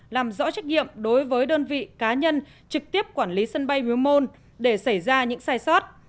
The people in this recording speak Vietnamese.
làm rõ trách nhiệm đối với đơn vị cá nhân trực tiếp quản lý sân bay miếu môn để xảy ra những sai sót